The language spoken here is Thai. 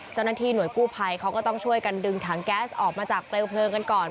เจ้าหน้าที่หน่วยกู้ภัยเขาก็ต้องช่วยกันดึงถังแก๊สออกมาจากเปลวเพลิงกันก่อน